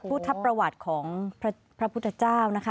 พุทธประวัติของพระพุทธเจ้านะคะ